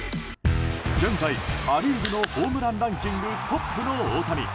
現在、ア・リーグのホームランランキングトップの大谷。